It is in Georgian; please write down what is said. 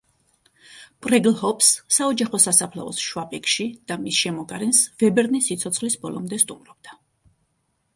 პრეგლჰოფს, საოჯახო სასაფლაოს შვაბეგში და მის შემოგარენს ვებერნი სიცოცხლის ბოლომდე სტუმრობდა.